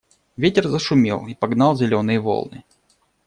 Ветер зашумел и погнал зеленые волны.